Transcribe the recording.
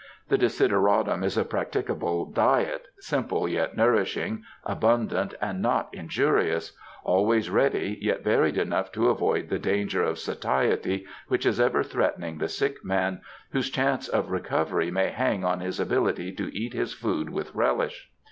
The desideratum is a practicable diet, simple yet nourishing, abundant and not injurious; always ready, yet varied enough to avoid the danger of satiety, which is ever threatening the sick man, whose chance of recovery may hang on his ability to eat his food with relish.